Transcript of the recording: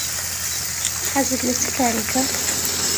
حەزت لە چ کارێکە؟